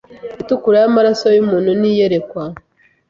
itukura yamaraso yumuntu Ni iyerekwa